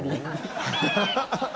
ハハハハ。